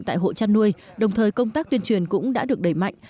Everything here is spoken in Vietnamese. tại hộ chăn nuôi đồng thời công tác tuyên truyền cũng đã được đẩy mạnh